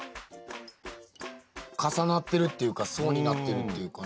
重なってるっていうか層になってるっていうかね。